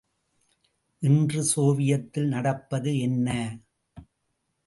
இன்று சோவியத்தில் நடப்பது என்ன?